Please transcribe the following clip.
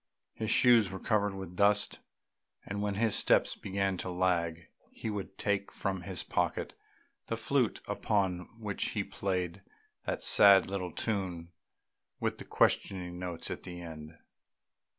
His shoes were covered with dust, and when his steps began to lag he would take from his pocket the flute upon which he played that sad little tune with the questioning notes at the end.